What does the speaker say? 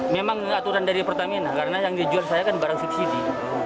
memang aturan dari pertamina karena yang dijual saya kan barang subsidi